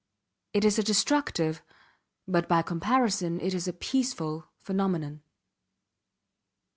It is a destructive but, by comparison, it is a peaceful phenomenon.